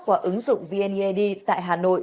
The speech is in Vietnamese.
của ứng dụng vneid tại hà nội